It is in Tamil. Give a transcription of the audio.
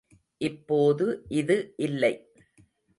இப்போது இது இல்லை.